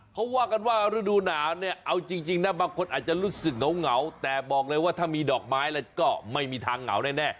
เขาว่ากันว่าฤดูหนาวเนี่ยเอาจริงนะบางคนอาจจะรู้สึกเหงาแต่บอกเลยว่าถ้ามีดอกไม้แล้วก็ไม่มีทางเหงาแน่